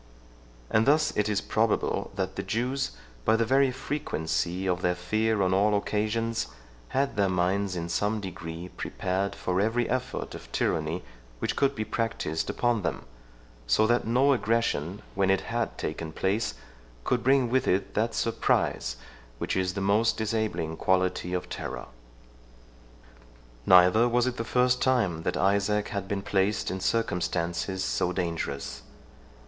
27 And thus it is probable, that the Jews, by the very frequency of their fear on all occasions, had their minds in some degree prepared for every effort of tyranny which could be practised upon them; so that no aggression, when it had taken place, could bring with it that surprise which is the most disabling quality of terror. Neither was it the first time that Isaac had been placed in circumstances so dangerous.